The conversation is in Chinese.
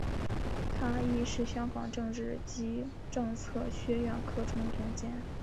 他亦是香港政治及政策学苑课程总监。